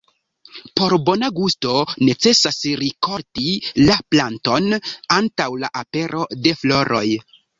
Por bona gusto necesas rikolti la planton antaŭ la apero de floroj.